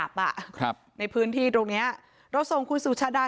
ไฟดับอ่ะครับในพื้นที่ตรงเนี้ยเราทรงคุณสุชาดา